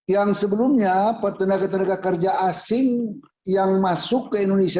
yang sebelumnya tenaga tenaga kerja asing yang masuk ke indonesia